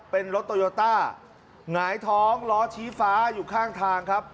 เป็นรถโตโยต้าหงายท้องล้อชี้ฟ้าอยู่ข้างทางครับ